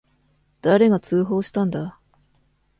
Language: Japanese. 誰が通報したんだ。